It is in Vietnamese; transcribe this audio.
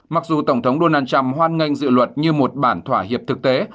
mặc dù tổng thống donald trump hoan nghênh dự luật như một bản thỏa hiệp thực tế